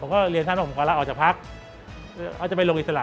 เรียนท่านว่าจะลอกจากพักเราจะไปรุกอิสระ